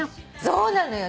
そうなのよ！